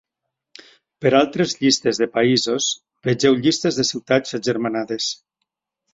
Per altres llistes de països, vegeu llistes de ciutats agermanades.